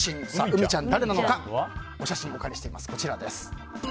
うみちゃん、誰なのかお写真お借りしています。